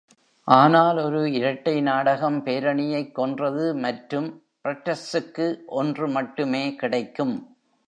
ஆனால் ஒரு இரட்டை நாடகம் பேரணியைக் கொன்றது மற்றும் பட்ரெஸுக்கு ஒன்று மட்டுமே கிடைக்கும்.